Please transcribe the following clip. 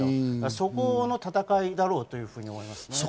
そこの戦いだろうと思います。